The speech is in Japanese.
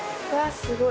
すごい。